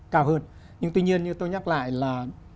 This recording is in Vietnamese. cao hơn nhưng tuy nhiên như tôi nhắc lại là